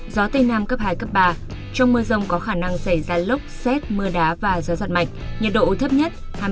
gió tây nam cấp hai ba trong mưa rông có khả năng xảy ra lốc sương mù và sương mù nhẹ dài rác ngày nắng